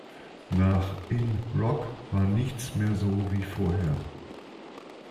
Nach "In Rock" war nichts mehr so wie vorher.